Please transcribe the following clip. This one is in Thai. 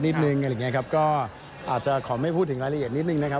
อะไรอย่างเงี้ยครับก็อาจจะขอไม่พูดถึงรายละเอียดนิดนึงนะครับ